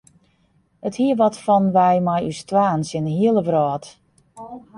It hie wat fan wy mei ús twaen tsjin de hiele wrâld.